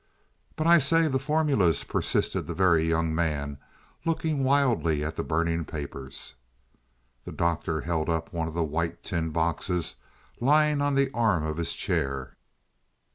"But I say, the formulas " persisted the Very Young Man, looking wildly at the burning papers. The Doctor held up one of the white tin boxes lying on the arm of his chair.